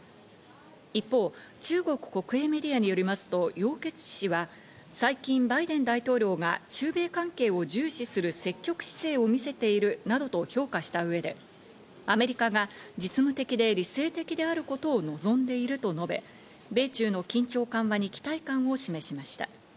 一方、中国国営メディアによりますと、ヨウ・ケツチ氏は最近、バイデン大統領が中米関係を重視する積極姿勢を見せているなどと評価した上で、アメリカが実務的で理性的であることを望んでいると述べ、米中の緊張緩和に期待感を示しました。